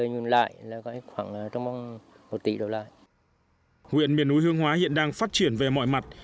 huyện miền núi hương hóa hiện đang phát triển về mọi mặt